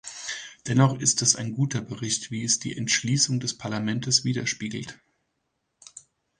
Dennoch ist es ein guter Bericht, wie es die Entschließung des Parlaments widerspiegelt.